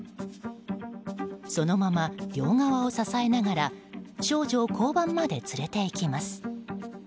そのまま両側を支えながら少女を交番まで連れていきます。